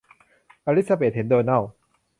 อลิสซาเบธเห็นโดนัล